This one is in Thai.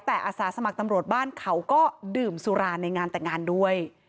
แต่อาสาสมัครตำรวจบ้านเขาก็ดื่มสุราในงานแต่งงานด้วย